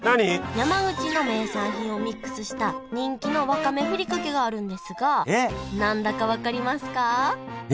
山口の名産品をミックスした人気のわかめふりかけがあるんですが何だか分かりますか？